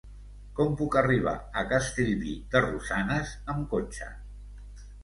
Com puc arribar a Castellví de Rosanes amb cotxe?